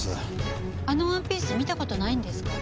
あのワンピース見た事ないんですか？